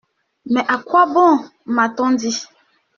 Mais à quoi bon ? m’a-t-on dit.